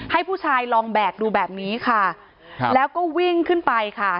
ให้ผู้ชายลองแบกดูแบบนี้ค่ะครับแล้วก็วิ่งขึ้นไปค่ะ